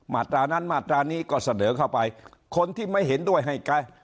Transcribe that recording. ตรานั้นมาตรานี้ก็เสนอเข้าไปคนที่ไม่เห็นด้วยให้ไกล